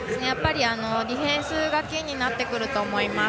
ディフェンスがキーになってくると思います。